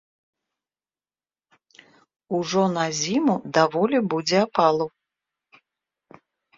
Ужо на зіму даволі будзе апалу.